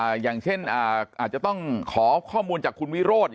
อย่างเช่นอาจจะต้องขอข้อมูลจากคุณวิโรธ